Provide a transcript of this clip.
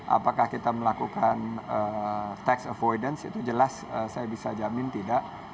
apakah kita melakukan tax avoidance itu jelas saya bisa jamin tidak